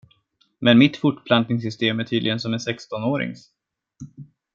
Men mitt fortplantningssystem är tydligen som en sextonårings.